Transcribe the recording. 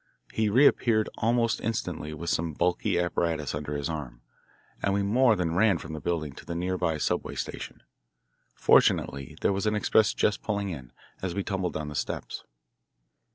He reappeared almost instantly with some bulky apparatus under his arm, and we more than ran from the building to the near by subway station. Fortunately there was an express just pulling in, as we tumbled down the steps.